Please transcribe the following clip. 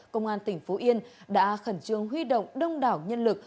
công an tỉnh phú yên đã khẩn trương huy động đông đảo nhân lực